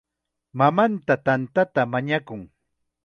Mamanta tantata mañakun.